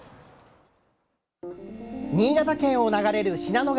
新潟県を流れる信濃川。